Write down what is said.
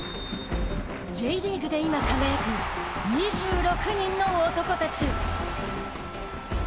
Ｊリーグで今、輝く２６人の男たち。